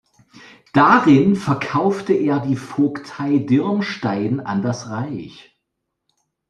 Darin verkaufte er die Vogtei Dirmstein an das Reich.